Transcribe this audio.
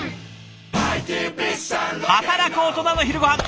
働くオトナの昼ごはん。